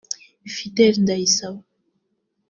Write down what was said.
Fidele Ndayisaba